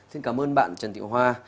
xin cảm ơn bạn trần thị hoa